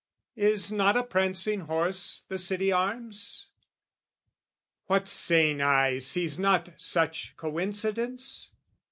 Is not a prancing horse the City arms? What sane eye sees not such coincidence?